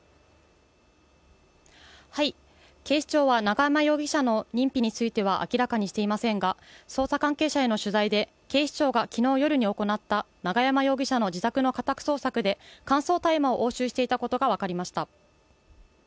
警視庁は永山容疑者の認否については明らかにしていませんが、捜査関係者への取材で警視庁が昨日夜に行った永山容疑者の自宅の家宅捜索で乾燥大麻を押収していたことがわかりました。